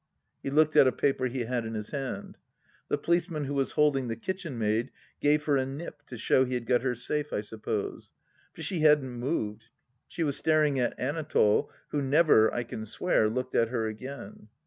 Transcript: ..." He looked at a paper he had in his hand. The policeman who was holding the kitchenmaid gave her a nip, to show he had got her safe, I suppose. But she hadn't moved. She was staring at Anatole, who never, I can swear, looked at her again.